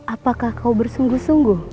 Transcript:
apakah kau bersungguh sungguh